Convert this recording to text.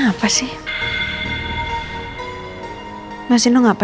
gue lagi bikin air jahe buat lo